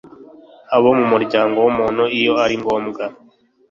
abo mu muryango w’umuntu iyo ari ngombwa